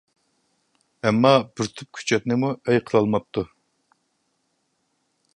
ئەمما بىر تۈپ كۆچەتنىمۇ ئەي قىلالماپتۇ.